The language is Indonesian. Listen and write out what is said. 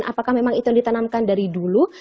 apakah memang itu yang ditanamkan dari dulu